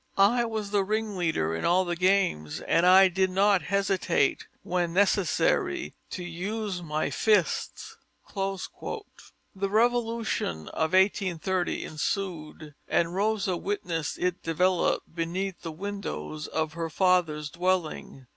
"I was the ring leader in all the games and I did not hesitate, when necessary, to use my fists." The revolution of 1830 ensued and Rosa witnessed it develop beneath the windows of her father's dwelling.